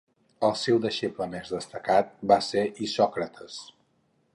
El seu deixeble més destacat va ser Isòcrates.